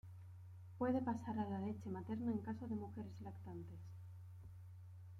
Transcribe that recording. Puede pasar a la leche materna en caso de mujeres lactantes.